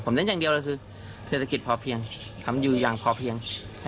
เน้นอย่างเดียวเลยคือเศรษฐกิจพอเพียงทำอยู่อย่างพอเพียง